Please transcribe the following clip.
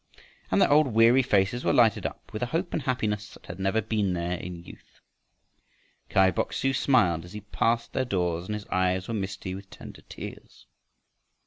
And their old weary faces were lighted up with a hope and happiness that had never been there in youth. Kai Bok su smiled as he passed their doors and his eyes were misty with tender tears.